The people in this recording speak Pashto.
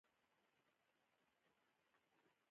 آیا وینکوور د سوداګرۍ دروازه نه ده؟